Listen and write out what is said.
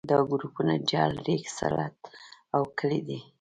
دا ګروپونه جغل ریګ سلټ او کلې دي